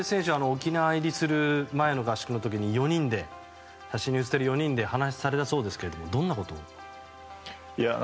沖縄入りする前の合宿の時に写真に写っている４人で話されたそうですけどどんなことを？